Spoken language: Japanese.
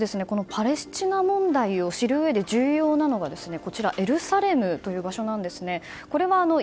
そして、パレスチナ問題を知るうえで重要なのがエルサレムという場所なんです。